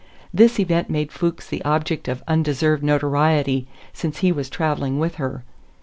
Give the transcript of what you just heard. This event made Fuchs the object of undeserved notoriety, since he was traveling with her.